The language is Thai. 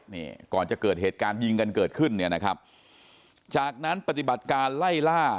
นี่ก่อนจะเกิดเหตุการณ์ยิงกันเกิดขึ้นเนี่ยนะครับจากนั้นปฏิบัติการไล่ล่า